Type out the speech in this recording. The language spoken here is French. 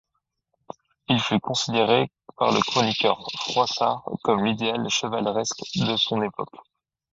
Il fut considéré par le chroniqueur Froissart comme l'idéal chevaleresque de son époque.